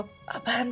tapi minta tante